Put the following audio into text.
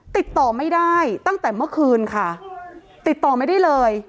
ติดต่อไม่ได้ตั้งแต่เมื่อคืนค่ะติดต่อไม่ได้เลย